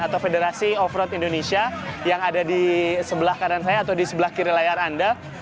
atau federasi off road indonesia yang ada di sebelah kanan saya atau di sebelah kiri layar anda